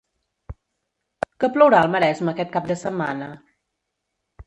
Que plourà al Maresme, aquest cap de setmana?